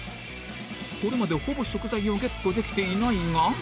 これまでほぼ食材をゲットできていないが